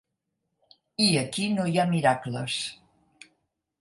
I aquí no hi ha miracles.